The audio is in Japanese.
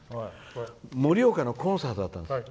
盛岡のコンサートだったんです。